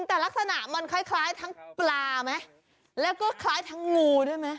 แต่ลักษณะมันคล้ายคล้ายทั้งปลาไหมแล้วก็คล้ายทั้งงูด้วยไหม